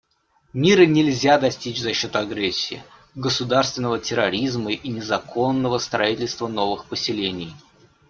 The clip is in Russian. Мира нельзя достичь за счет агрессии, государственного терроризма и незаконного строительства новых поселений.